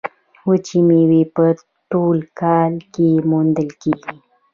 وچې میوې په ټول کال کې موندل کیږي.